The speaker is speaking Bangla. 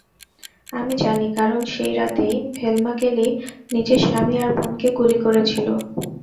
আমি জানি, কারণ সেই রাতেই ভেলমা কেলি নিজের স্বামী আর বোনকে গুলি করেছিল।